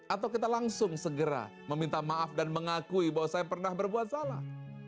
atau kita langsung segera meminta maaf dan mengakui bahwa saya pernah berbuat salah